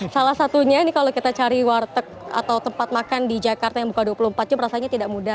salah satunya ini kalau kita cari warteg atau tempat makan di jakarta yang buka dua puluh empat jam rasanya tidak mudah